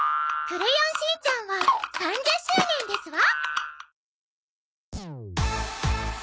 『クレヨンしんちゃん』は３０周年ですわ。